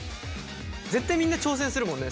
絶対みんな挑戦するもんね